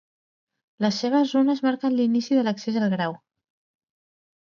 Les seves runes marquen l'inici de l'accés al grau.